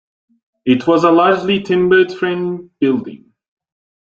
It was a largely timbered-framed building.